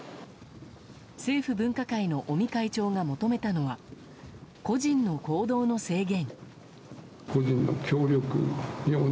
政府分科会の尾身会長が求めたのは個人の行動の制限。